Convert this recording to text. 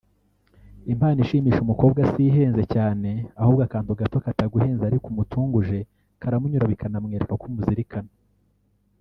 Impano ishimisha umukobwa si ihenze cyane ahubwo akantu gato kataguhenze ariko umutunguje karamunyura bikanamwereka ko umuzirikana